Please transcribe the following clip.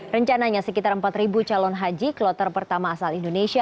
rencananya sekitar empat calon haji kloter pertama asal indonesia